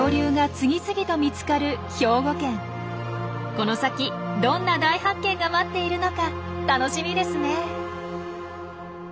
この先どんな大発見が待っているのか楽しみですね！